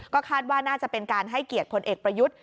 ก็คาดว่าน่าจะเป็นการให้เกียรติพลเอกประยุทธ์